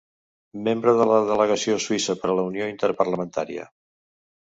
Membre de la Delegació Suïssa per la Unió Interparlamentària.